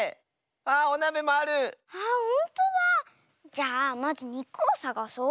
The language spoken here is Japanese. じゃあまずにくをさがそう。